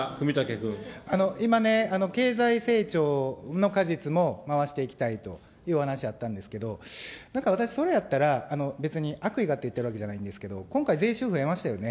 今ね、経済成長の果実も回していきたいというお話あったんですけど、なんか私、それやったら、別に悪意があって言ってるわけじゃないんですけど、今回、税収増えましたよね。